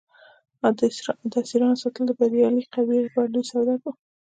د اسیرانو ساتل د بریالۍ قبیلې لپاره لوی سر درد و.